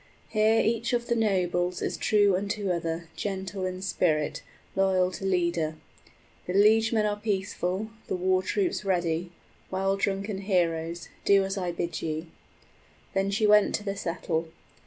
Here each of the nobles Is true unto other, gentle in spirit, Loyal to leader. The liegemen are peaceful, The war troops ready: well drunken heroes, 40 Do as I bid ye." Then she went to the settle.